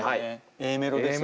Ａメロですよね。